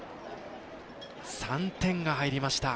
３点が入りました。